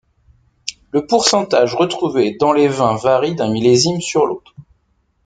Le pourcentage retrouvé dans les vins varie d'un millésime sur l'autre.